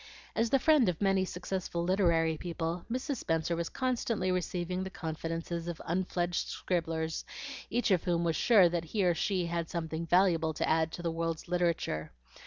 As the friend of many successful literary people, Mrs. Spenser was constantly receiving the confidences of unfledged scribblers, each of whom was sure that he or she had something valuable to add to the world's literature.